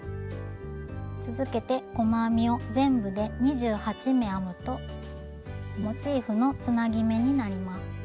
続けて細編みを全部で２８目編むとモチーフのつなぎ目になります。